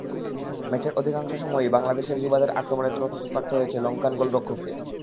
ম্যাচের অধিকাংশ সময়ই বাংলাদেশের যুবাদের আক্রমণে ত্রস্ত থাকতে হয়েছে লঙ্কান গোলরক্ষককে।